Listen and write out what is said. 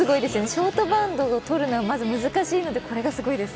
ショートバウンドをとるのはまず難しいのでこれが難しいです。